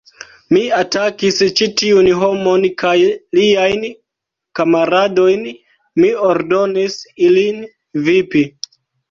Mi atakis ĉi tiun homon kaj liajn kamaradojn, mi ordonis ilin vipi.